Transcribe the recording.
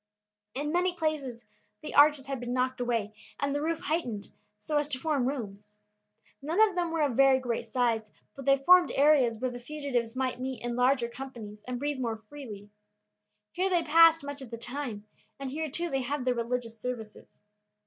In many places the arches had been knocked away and the roof heightened so as to form rooms. None of them were of very great size, but they formed areas where the fugitives might meet in larger companies and breathe more freely. Here they passed much of the time, and here, too, they had their religious services.